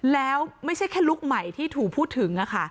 แล้วไม่ใช่แค่ลุคใหม่ที่ถูกพูดถึง